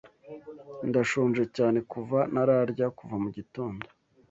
Ndashonje cyane kuva ntararya kuva mugitondo.